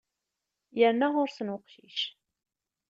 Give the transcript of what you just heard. Yerna ɣur-sen uqcic.